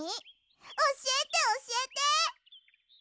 おしえておしえて！